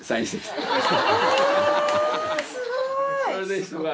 すごい！